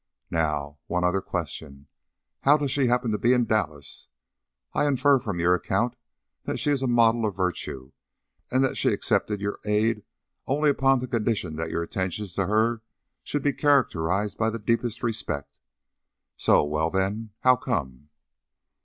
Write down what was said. Now, one other question how does she happen to be in Dallas? I infer from your account that she is a model of virtue, and that she accepted your aid only upon the condition that your attentions to her should be characterized by the deepest respect. So? Well then, 'how come'?"